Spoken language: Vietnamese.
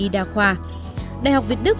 đại học việt đức